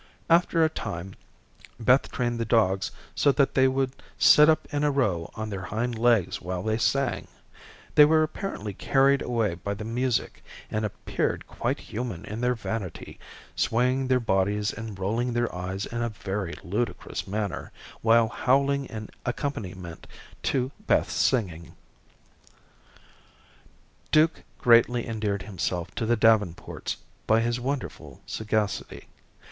After a time Beth trained the dogs so that they would sit up in a row on their hind legs while they sang. They were apparently carried away by the music, and appeared quite human in their vanity, swaying their bodies and rolling their eyes in a very ludicrous manner, while howling an accompaniment to Beth's singing. [Illustration: January with his perpetual laugh and fiddle.] Duke greatly endeared himself to the Davenports by his wonderful sagacity.